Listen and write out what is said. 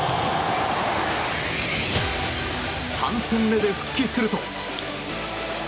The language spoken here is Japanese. ３戦目で復帰すると。